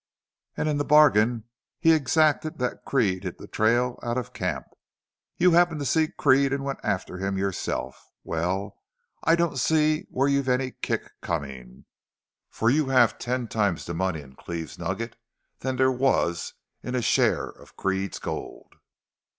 And in the bargain he exacted that Creede hit the trail out of camp. You happened to see Creede and went after him yourself.... Well, I don't see where you've any kick coming. For you've ten times the money in Cleve's nugget that there was in a share of Creede's gold."